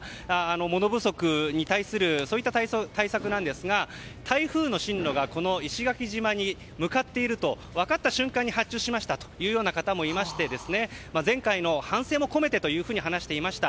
物不足に対する対策なんですが台風の進路がこの石垣島に向かっていると分かった瞬間に発注しましたというような方もいまして前回の反省も込めてというふうに話していました。